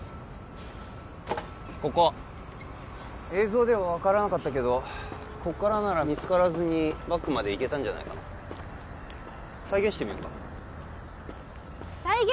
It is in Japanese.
ここ映像では分からなかったけどここからなら見つからずにバッグまで行けたんじゃないかな再現してみようか再現？